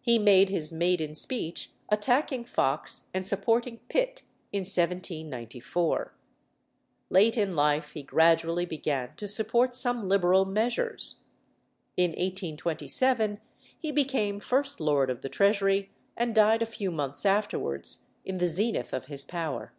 He made his maiden speech, attacking Fox and supporting Pitt, in 1794. Late in life he gradually began to support some liberal measures. In 1827 he became First Lord of the Treasury, and died a few months afterwards in the zenith of his power.